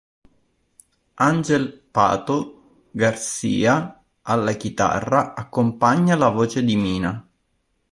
Angel "Pato" Garcia alla chitarra accompagna la voce di Mina.